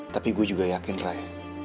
tapi gue juga yakin ray